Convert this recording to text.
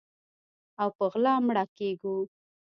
او په غلا مړه کیږو